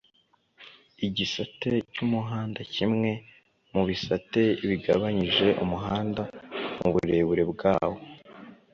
Igisate cy’umuhandaKimwe mu bisate bigabanyije umuhanda mu burebure bwawo